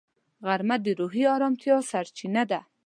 غرمه د روحي ارامتیا سرچینه ده